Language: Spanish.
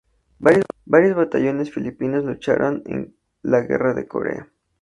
Varios batallones filipinos lucharon en la guerra de Corea.